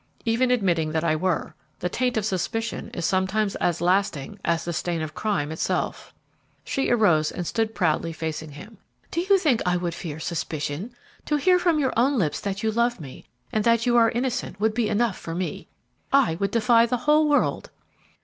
"Even admitting that I were, the taint of suspicion is sometimes as lasting as the stain of crime itself." She arose and stood proudly facing him. "Do you think I would fear suspicion? To hear from your own lips that you love me and that you are innocent would be enough for me; I would defy the whole world!"